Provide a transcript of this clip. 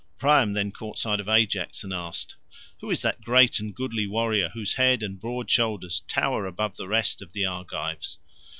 Priam then caught sight of Ajax and asked, "Who is that great and goodly warrior whose head and broad shoulders tower above the rest of the Argives?"